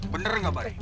bener gak pak ri